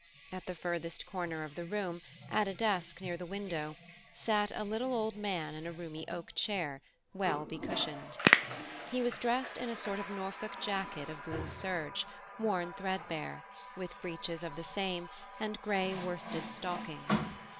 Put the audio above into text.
At the furthest corner of the room, at a desk near the window, sat a little old man in a roomy oak chair, well becushioned. He was dressed in a sort of Norfolk jacket of blue serge worn threadbare, with breeches of the same, and grey worsted stockings.